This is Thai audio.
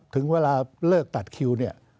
ถึงเวลาเลิกตัดคิว